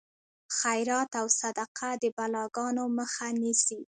خیرات او صدقه د بلاګانو مخه نیسي.